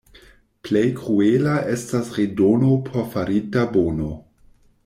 Plej kruela estas redono por farita bono.